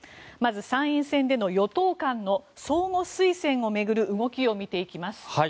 まず、参院選での与党間の相互推薦を巡る動きを見ていきます。